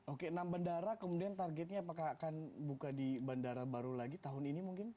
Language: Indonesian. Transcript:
oke enam bandara kemudian targetnya apakah akan buka di bandara baru lagi tahun ini mungkin